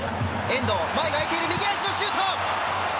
遠藤、前が空いている右足のシュート。